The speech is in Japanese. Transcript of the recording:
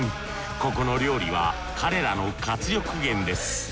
ここの料理は彼らの活力源です。